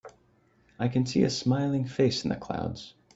I can see a smiling face in the clouds.